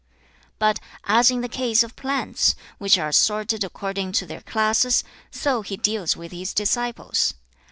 But as in the case of plants, which are assorted according to their classes, so he deals with his disciples.